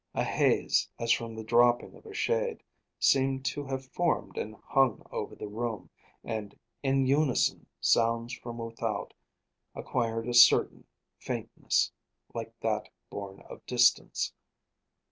A haze, as from the dropping of a shade, seemed to have formed and hung over the room, and in unison sounds from without acquired a certain faintness, like that born of distance.